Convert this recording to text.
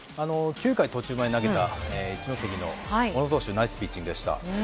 ９回途中まで投げた一関学院の小野投手ナイスピッチングでした。